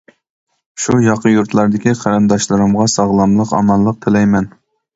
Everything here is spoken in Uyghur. شۇ ياقا يۇرتلاردىكى قېرىنداشلىرىمغا ساغلاملىق، ئامانلىق تىلەيمەن.